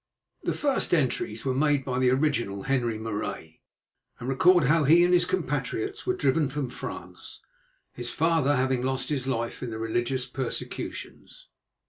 The first entries were made by the original Henri Marais, and record how he and his compatriots were driven from France, his father having lost his life in the religious persecutions.